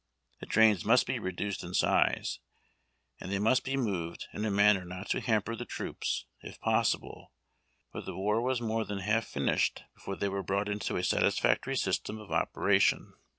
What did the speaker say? The trains must be reduced in size, and they must be moved in a manner not to hamper tlie troops, if possible ; but the war was more than half finished before they were brought into a satisfactory system of operation.